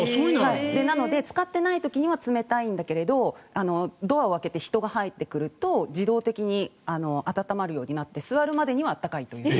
なので、使ってない時には冷たいんだけどドアを開けて人が入ってくると自動的に温まるようになって座るまでには温かいという。